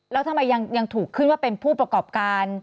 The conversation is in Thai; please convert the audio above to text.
แล้วทำไมยังถูกขึ้นว่าเป็นผู้ประกอบการ